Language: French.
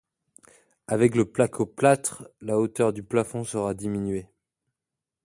avec le placo plâtre, la hauteur du plafond sera diminué